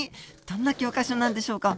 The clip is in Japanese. どんな教科書なんでしょうか？